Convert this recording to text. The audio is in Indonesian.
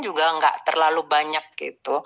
juga enggak terlalu banyak